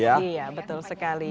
iya betul sekali